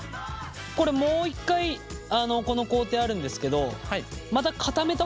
これもう一回この工程あるんですけどまた固めた方がいいですか？